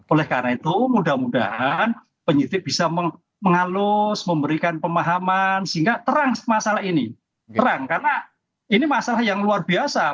oleh karena itu mudah mudahan penyidik bisa menghalus memberikan pemahaman sehingga terang masalah ini terang karena ini masalah yang luar biasa